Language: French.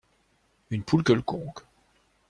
Une poule quelconque.